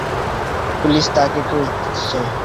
Police তাকে খুঁজছে।